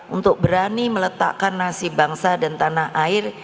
untuk berani meletakkan nasib bangsa dan tanah air